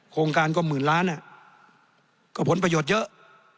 โครงการก็หมื่นล้านก็ผลประโยชน์เยอะ